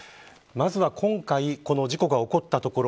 まずは今回この事故が起こった所